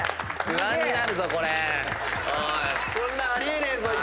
こんなんあり得ねえぞ